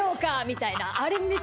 みたいなあれ。